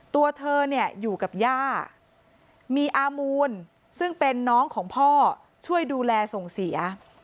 ตัวเธอเนี่ยอยู่กับย่ามีอามูลซึ่งเป็นน้องของพ่อช่วยดูแลส่งเสีย